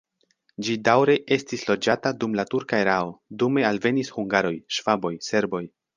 Ĝi daŭre estis loĝata dum la turka erao, dume alvenis hungaroj, ŝvaboj, serboj.